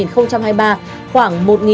khoảng một một trăm ba mươi ba tỷ đồng